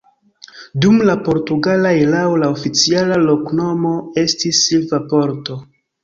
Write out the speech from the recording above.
Dum la portugala erao la oficiala loknomo estis Silva Porto.